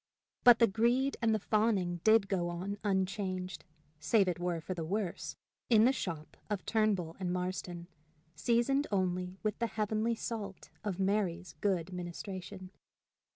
But the greed and the fawning did go on unchanged, save it were for the worse, in the shop of Turnbull and Marston, seasoned only with the heavenly salt of Mary's good ministration.